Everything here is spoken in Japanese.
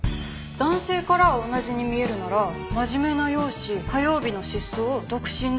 男性からは同じに見えるなら真面目な容姿火曜日の失踪独身だと思っていた。